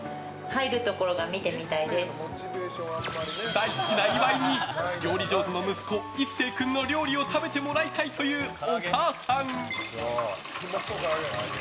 大好きな岩井に料理上手の息子・壱晟君の料理を食べてもらいたいというお母さん。